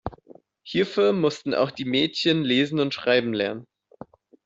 Hierfür mussten auch die Mädchen Lesen und Schreiben lernen.